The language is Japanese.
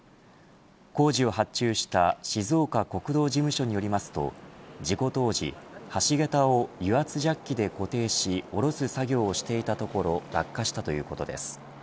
工事を発注した静岡国道事務所によりますと事故当時、橋げたを油圧ジャッキで固定し下ろす作業をしていたところ落下したということです。